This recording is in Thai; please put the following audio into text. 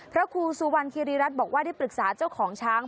พระครูสุวรรณคิริรัตน์บอกว่าได้ปรึกษาเจ้าของช้าง